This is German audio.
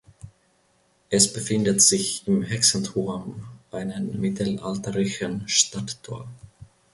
Es befindet sich im Hexenturm, einem mittelalterlichen Stadttor.